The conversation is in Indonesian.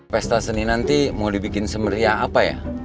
pesta seni nanti mau dibikin semeriah apa ya